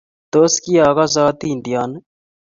Tos, kiaigase hatindioni?